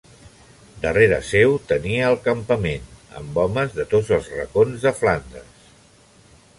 Darrere seu tenia el campament, amb homes de tots els racons de Flandes.